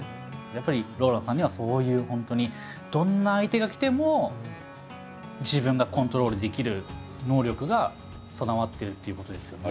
やっぱりＲＯＬＡＮＤさんにはそういう本当にどんな相手が来ても自分がコントロールできる能力が備わってるっていうことですよね。